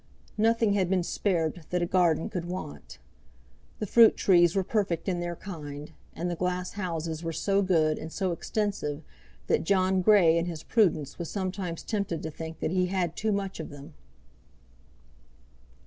Nothing had been spared that a garden could want. The fruit trees were perfect in their kind, and the glass houses were so good and so extensive that John Grey in his prudence was some times tempted to think that he had too much of them.